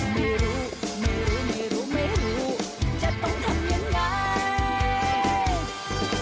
ไม่รู้ไม่รู้ไม่รู้จะต้องทำยังไง